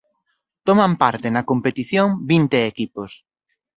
Toman parte na competición vinte equipos.